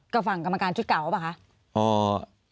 กับฝั่งกรรมการชุดเก่าเปล่าป่ะคะ